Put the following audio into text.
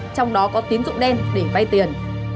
trong đó có tiến dụng đen để vay tiền